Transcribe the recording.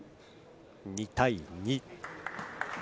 ２対２。